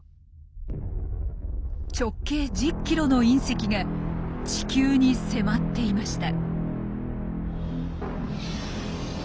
直径１０キロの隕石が地球に迫っていました。